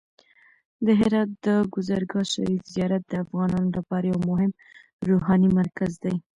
د هرات د کازرګاه شریف زیارت د افغانانو لپاره یو مهم روحاني مرکز دی.